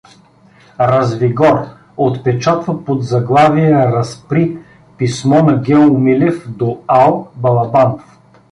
„Развигор“ отпечатва под заглавие „Разпри“ писмо на Гео Милев до Ал. Балабанов.